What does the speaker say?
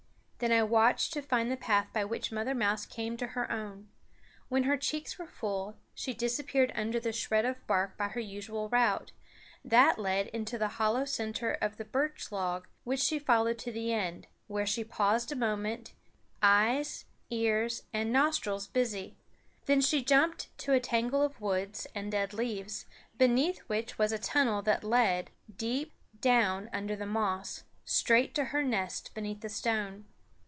Then I watched to find the path by which Mother Mouse came to her own. When her cheeks were full, she disappeared under the shred of bark by her usual route. That led into the hollow center of the birch log, which she followed to the end, where she paused a moment, eyes, ears, and nostrils busy; then she jumped to a tangle of roots and dead leaves, beneath which was a tunnel that led, deep down under the moss, straight to her nest beneath the stone.